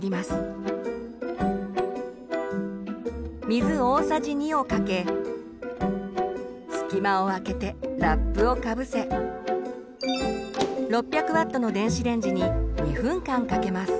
水大さじ２をかけ隙間をあけてラップをかぶせ６００Ｗの電子レンジに２分間かけます。